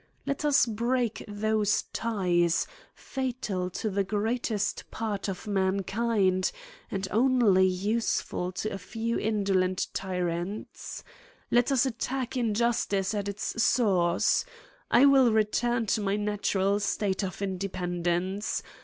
* Let us break those ties, fatal to the greatest ' part of mankind, and only useful to a few indo ' lent tyrants. Let us attack injustice at its source. ^ I will return to my natural state of independence.